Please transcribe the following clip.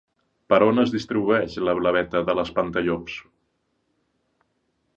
Per on es distribueix la blaveta de l'espantallops?